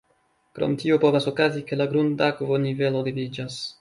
Krom tio povas okazi, ke la grundakvo-nivelo leviĝas.